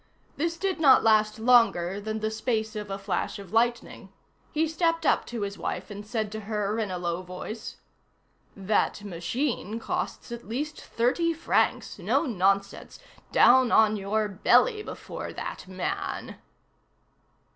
This did not last longer than the space of a flash of lightning. He stepped up to his wife and said to her in a low voice:— "That machine costs at least thirty francs. No nonsense. Down on your belly before that man!"